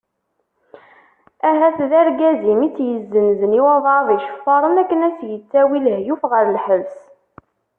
Ahat d argaz-im i tt-yezzenzen i wabɛaḍ iceffaren akken ad as-yettawi lahyuf ɣer lḥebs.